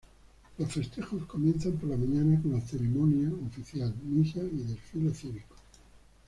Los festejos comienzan por la mañana con la ceremonia oficial, misa y desfile cívico.